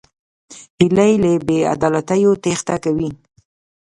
هیلۍ له بېعدالتیو تېښته کوي